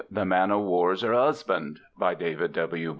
"THE MAN O' WAR'S 'ER 'USBAND" By DAVID W.